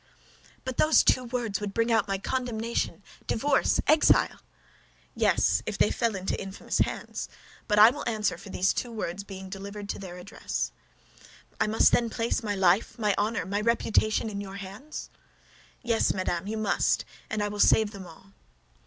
"But these two words would bring about my condemnation, divorce, exile!" "Yes, if they fell into infamous hands. But I will answer for these two words being delivered to their address." "Oh, my God! I must then place my life, my honor, my reputation, in your hands?" "Yes, yes, madame, you must; and I will save them all."